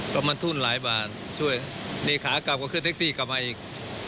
ประมาณทุนหลายบาทช่วยเลขากลับก็ขึ้นแท็กซี่กลับมาอีก